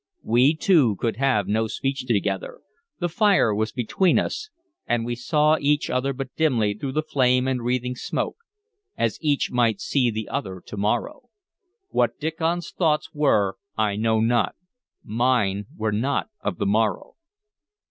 We two could have no speech together; the fire was between us, and we saw each other but dimly through the flame and wreathing smoke, as each might see the other to morrow. What Diccon's thoughts were I know not; mine were not of the morrow.